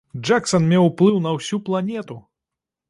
Джэксан меў ўплыў на ўсю планету!